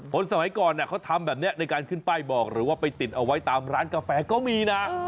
สมัยก่อนเขาทำแบบนี้ในการขึ้นป้ายบอกหรือว่าไปติดเอาไว้ตามร้านกาแฟก็มีนะ